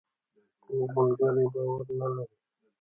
کوږ ملګری باور نه لري